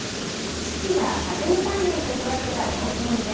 父が家庭菜園で育てた大根です。